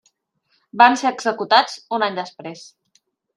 Van ser executats un any després.